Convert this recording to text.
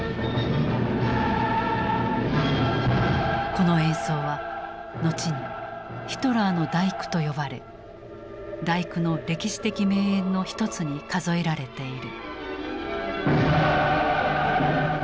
この演奏は後に「ヒトラーの第九」と呼ばれ「第九」の歴史的名演の一つに数えられている。